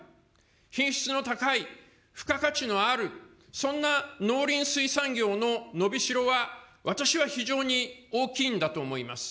品質の高い付加価値のある、そんな農林水産業の伸びしろは、私は非常に大きいんだと思います。